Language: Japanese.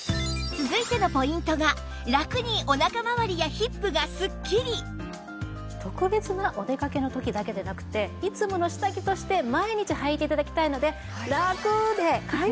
続いてのポイントが特別なお出かけの時だけでなくていつもの下着として毎日はいて頂きたいので。